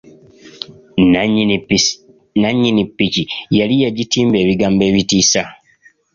Nannyini ppiki yali yagitimba ebigambo ebitiisa.